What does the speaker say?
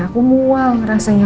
aku mual rasanya